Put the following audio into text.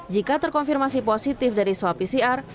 jika terkonfirmasi positif dari swab pcr